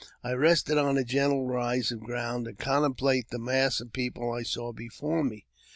I rested on a gentle rise of ground to contemplate the mass of people I saw before me.